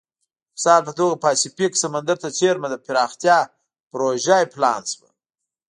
د مثال په توګه پاسفیک سمندر ته څېرمه د پراختیا پروژه پلان شوه.